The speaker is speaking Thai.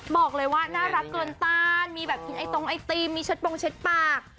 บอกเลยว่าน่ารักเกินต้านมีแบบกินไอตรงไอติมมีเช็ดโปรงเช็ดปาก